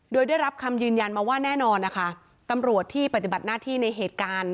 โดยได้รับคำยืนยันมาว่าแน่นอนนะคะตำรวจที่ปฏิบัติหน้าที่ในเหตุการณ์